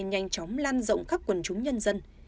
nhanh chóng lan rộng khắp quần chúng nhân dân